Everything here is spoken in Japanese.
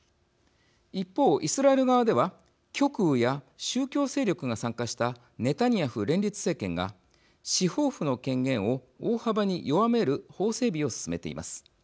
一方イスラエル側では極右や宗教勢力が参加したネタニヤフ連立政権が司法府の権限を大幅に弱める法整備を進めています。